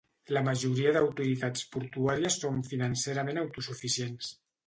La majoria d'autoritats portuàries són financerament autosuficients.